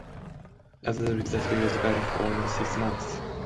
As a result he was banned for only six months.